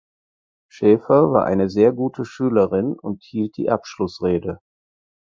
Schefer war eine sehr gute Schülerin und hielt die Abschlussrede.